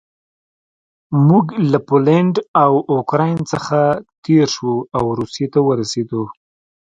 موږ له پولنډ او اوکراین څخه تېر شوو او روسیې ته ورسېدو